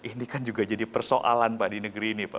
ini kan juga jadi persoalan pak di negeri ini pak